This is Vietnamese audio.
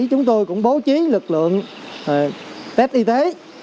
chúng tôi cũng bố trí lực lượng tết y tế